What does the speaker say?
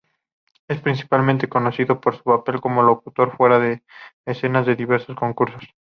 Es principalmente conocido por su papel como locutor fuera de escena en diversos concursos.